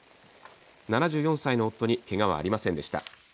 ７４歳の夫にけがはありませんでした。